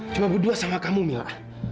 cuma berdua sama kamu mila